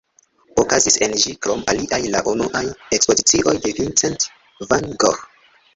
Okazis en ĝi krom aliaj la unuaj ekspozicioj de Vincent van Gogh.